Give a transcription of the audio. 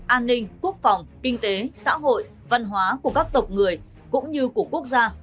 an ninh quốc phòng kinh tế xã hội văn hóa của các tộc người cũng như của quốc gia